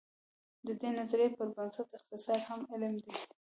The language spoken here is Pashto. د دې نظریې پر بنسټ اقتصاد هغه علم دی.